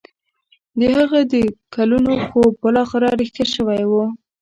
د هغه د کلونو خوب بالاخره رښتيا شوی و.